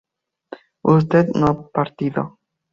usted no ha partido